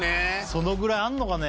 そのぐらいあるのかね